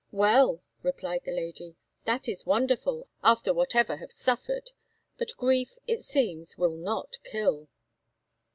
"Well!" replied the Lady, "that is wonderful, after whatever have suffered; but grief, it seems, will not kill!"